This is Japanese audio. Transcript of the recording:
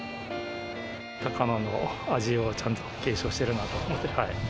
多賀野の味をちゃんと継承してるなと思って。